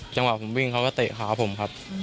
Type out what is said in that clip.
จังหวะผมวิ่งเขาก็เตะขาผมครับ